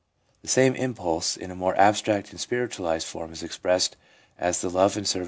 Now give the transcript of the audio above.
' The same impulse in a more abstract and spiritual ised form is expressed as the love and service of God.